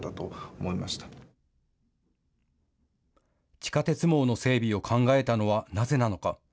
地下鉄網の整備を考えたのはなぜなのか。